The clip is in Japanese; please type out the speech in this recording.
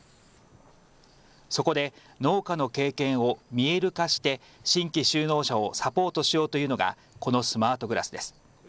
そこで農家の経験を見える化して新規就農者をサポートしようというのがこのスマートグラスです。